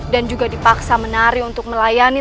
dan juga dipaksa menari untuk melayani